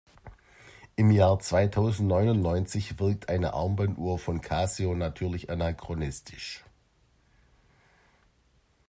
Im Jahr zweitausendneunundneunzig wirkt eine Armbanduhr von Casio natürlich anachronistisch.